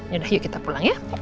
yaudah yuk kita pulang ya